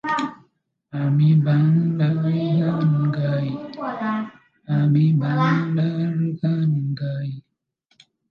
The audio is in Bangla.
দুটি মতই স্বীকৃত।